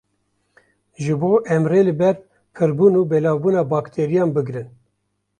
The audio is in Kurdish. Ji bo em rê li ber pirbûn û belavbûna bakterîyan bigirin.